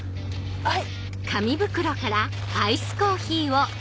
はい。